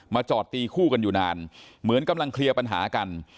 จอดตีคู่กันอยู่นานเหมือนกำลังเคลียร์ปัญหากัน